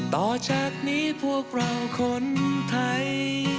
ต่อจากนี้พวกเราคนไทย